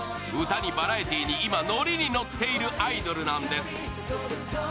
歌にバラエティーに今、乗りに乗っているアイドルなんです。